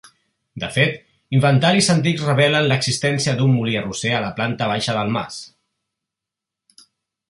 De fet, inventaris antics revelen l’existència d’un molí arrosser a la planta baixa del mas.